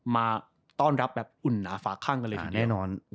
มาต้อนรับอุ่นหนาฟ้าข้างกะเลทีเดียว